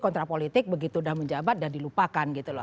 kontrak politik begitu sudah menjabat sudah dilupakan